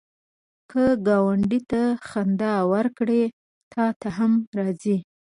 که ګاونډي ته خندا ورکړې، تا ته هم راځي